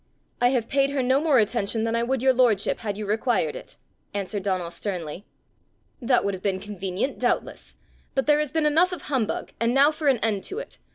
"I have paid her no more attention than I would your lordship, had you required it," answered Donal sternly. "That would have been convenient doubtless! But there has been enough of humbug, and now for an end to it!